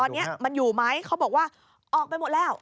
ตอนนี้มันอยู่ไหมเขาบอกว่าออกไปหมดแล้ว